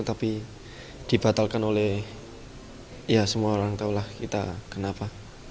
tapi dibatalkan oleh ya semua orang tahulah kita kenapa